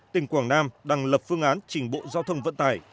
tỉnh quảng nam đang lập phương án trình bộ giao thông vận tải